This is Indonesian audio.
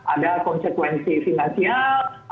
ada konsekuensi finansial